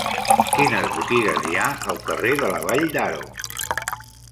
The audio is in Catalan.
Quines botigues hi ha al carrer de la Vall d'Aro?